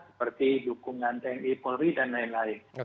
seperti dukungan tni polri dan lain lain